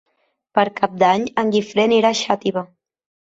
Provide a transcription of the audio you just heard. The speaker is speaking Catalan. Per Cap d'Any en Guifré anirà a Xàtiva.